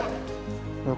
satu dua tiga